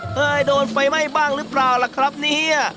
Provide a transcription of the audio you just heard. เคยโดนไฟไหม้บ้างหรือเปล่าล่ะครับเนี่ย